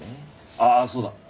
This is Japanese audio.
ああそうだ。